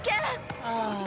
ああ。